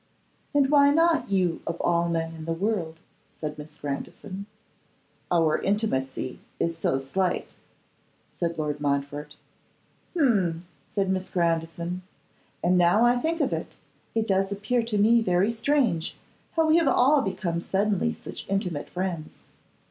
'And why not you of all men in the world?' said Miss Grandison. 'Our intimacy is so slight,' said Lord Montfort. 'Hum!' said Miss Grandison. 'And now I think of it, it does appear to me very strange how we have all become suddenly such intimate friends.